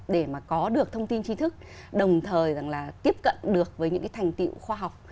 để mà có được thông tin trí thức đồng thời rằng là tiếp cận được với những thành tựu khoa học